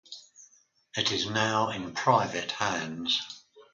It is now in private hands.